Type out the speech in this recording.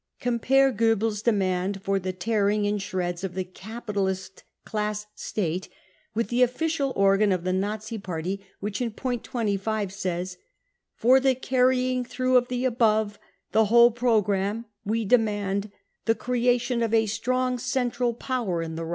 Compare Goebbels' demand for the tearing in shreds of the Capitalist class State with the officialorgan of the Nazi Party, which in point 25 says ; 44 For the carrying through of the above (the whole pro " gramme) we demand : The creation of a strong central THE PATH TO POWER 29 power in the Reich.